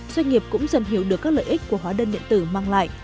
doanh nghiệp cũng dần hiểu được các lợi ích của hóa đơn điện tử mang lại